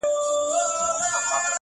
• رشتیا خبري یا مست کوي یا لني -